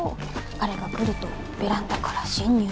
彼が来るとベランダから侵入した。